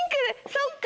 そっか。